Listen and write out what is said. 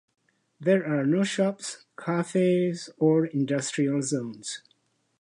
There are no shops, cafes or industrial zones.